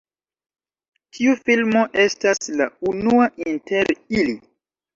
Tiu filmo estas la unua inter ili.